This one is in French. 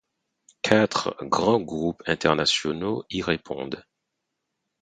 Quatre grands groupes internationaux y répondent.